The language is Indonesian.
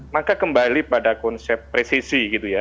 maka kembali pada konsep presisi gitu ya